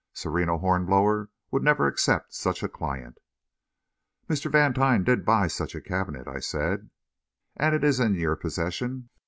Sereno Hornblower would never accept such a client. "Mr. Vantine did buy such a cabinet," I said. "And it is in your possession?"